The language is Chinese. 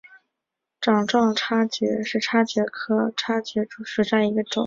掌状叉蕨为叉蕨科叉蕨属下的一个种。